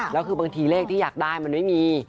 แล้วคือบางทีเลขที่อยากได้มันไม่มี